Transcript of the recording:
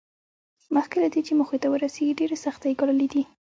مخکې له دې چې موخې ته ورسېږي ډېرې سختۍ یې ګاللې دي